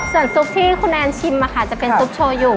ส่วนซุปที่คุณแอนด์ชิมค่ะจะเป็นซุปโชยุ